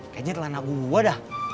kayaknya telah nabung gua dah